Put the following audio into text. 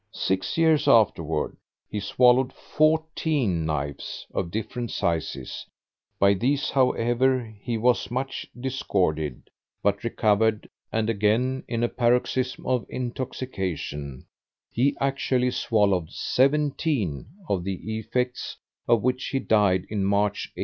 Six years afterward, he swallowed FOURTEEN knives of different sizes; by these, however, he was much disordered, but recovered; and again, in a paroxysm of intoxication, he actually swallowed SEVENTEEN, of the effects of which he died in March, 1809.